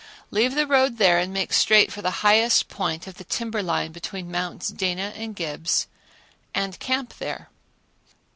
Leave the road there and make straight for the highest point on the timber line between Mounts Dana and Gibbs and camp there.